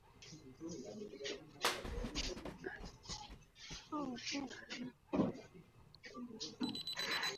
This was much less than that of the morning "Sun".